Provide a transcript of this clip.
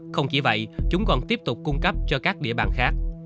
không chỉ vậy chúng còn tiếp tục cung cấp cho các địa bàn khác